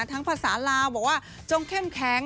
ภาษาลาวบอกว่าจงเข้มแข็ง